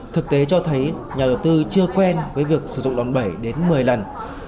thực tế cho thấy nhà đầu tư chưa quen với việc sử dụng đòn bẩy đến một mươi lần